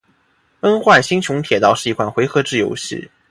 《崩坏：星穹铁道》是一款回合制游戏。